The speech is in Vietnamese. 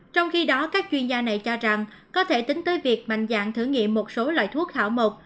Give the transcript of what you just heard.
trong khi đó các chuyên gia này cho rằng có thể tính tới việc mạnh dạng thử nghiệm một số loại thuốc hảo mục